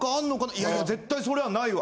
いやいや絶対それはないわ。